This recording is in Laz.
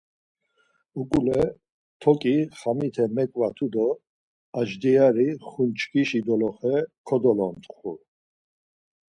Uǩule toǩi xamite meǩvatu do ajdiari ğunçkişi doloxe kodolontxu.